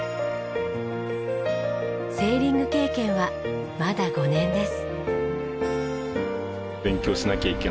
セーリング経験はまだ５年です。